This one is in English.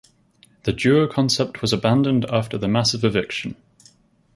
The duo concept was abandoned after the massive eviction.